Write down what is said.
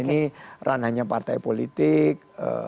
ini ranahnya partai politik